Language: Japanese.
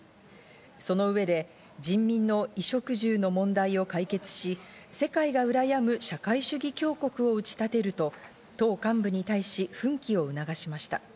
その上で、人民の衣食住の問題を解決し、世界がうらやむ社会主義強国を打ち立てると党幹部に対し奮起を促しました。